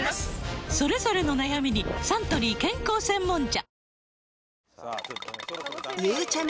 それぞれの悩みにサントリー健康専門茶ゆうちゃみ